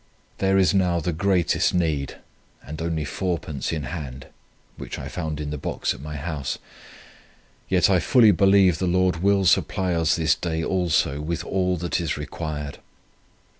There is now the greatest need, and only 4d. in hand, which I found in the box at my house; yet I fully believe the Lord will supply us this day also with all that is required.